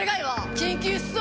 緊急出動